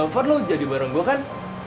varno jadi bareng gue kan